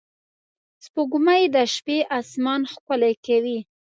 سپوږمۍ د شپې آسمان ښکلی کوي